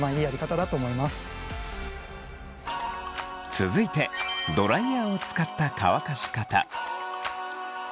続いてドライヤーを使った乾かし方。